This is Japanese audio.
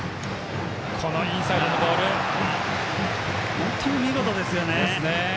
本当に見事ですよね。